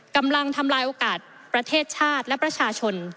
กำลังทำลายโอกาสประเทศชาติและประชาชน